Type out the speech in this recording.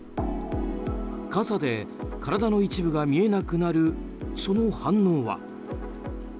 傘で体の一部が見えなくなるその反応は。